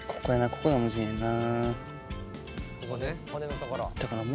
ここがむずいねんな。